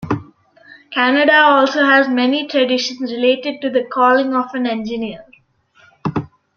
Canada also has many traditions related to the calling of an engineer.